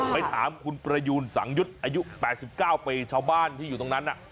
ไปถามคุณประยูนสังยุทธ์อายุ๘๙ปีชาวบ้านที่อยู่ตรงนั้น